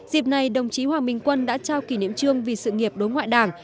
dịp này đồng chí hoàng minh quân đã trao kỷ niệm trương vì sự nghiệp đối ngoại đảng